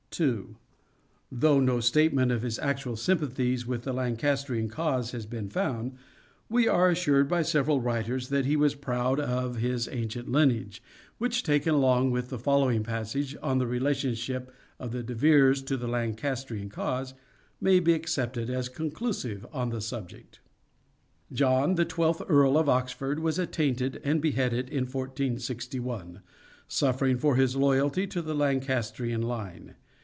Lancastrian 2. Though no statement of his actual sympathies with the Lancastrian cause has been found, we are assured by several writers that he was proud of his ancient lineage, which, taken along with the following passage on the relationship of the De Veres to the Lancastrian cause, may be accepted as conclusive on the subject :—" John the I2th Earl (of Oxford) was attainted and beheaded in 1461, suffering for his loyalty to the Lancastrian line.